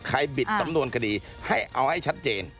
บิดสำนวนคดีให้เอาให้ชัดเจน